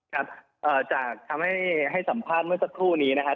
ครับจากคำให้สัมภาษณ์เมื่อสักครู่นี้นะครับ